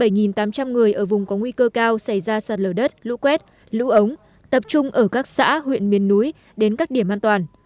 nhiều người ở vùng có nguy cơ cao xảy ra sạt lở đất lũ quét lũ ống tập trung ở các xã huyện miền núi đến các điểm an toàn